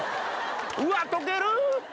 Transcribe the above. うわ溶ける